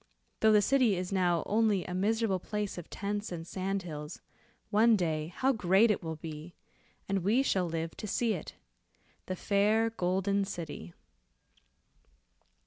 Though the city is now only a miserable place of tents and sand hills, one day how great it will be, and we shall live to see it. The fair Golden City."